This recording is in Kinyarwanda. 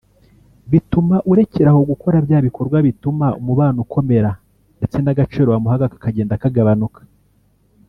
bituma urekeraho gukora bya bikorwa bituma umubano ukomera ndetse n’agaciro wamuhaga kakagenda kagabanuka